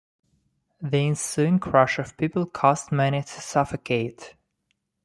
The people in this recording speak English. The ensuing crush of people caused many to suffocate.